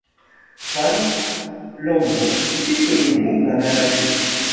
Fañch Landreau quitte le groupe la même année.